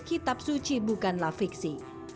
kitab suci bukanlah fiksi